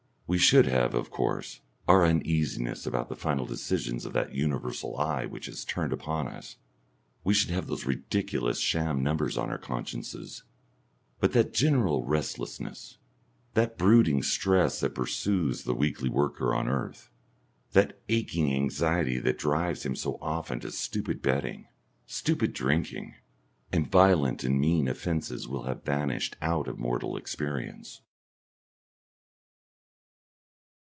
We should have, of course, our uneasiness about the final decisions of that universal eye which has turned upon us, we should have those ridiculous sham numbers on our consciences; but that general restlessness, that brooding stress that pursues the weekly worker on earth, that aching anxiety that drives him so often to stupid betting, stupid drinking, and violent and mean offences will have vanished out of mortal experience.